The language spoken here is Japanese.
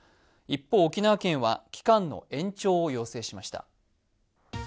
一方、沖縄県は期間の延長を要請しました。